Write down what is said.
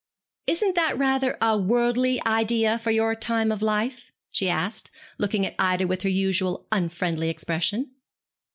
'Isn't that rather a worldly idea for your time of life?' she asked, looking at Ida with her usual unfriendly expression.